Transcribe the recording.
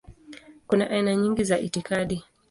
Kuna aina nyingi za itikadi.